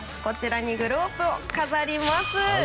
グローブを飾ります。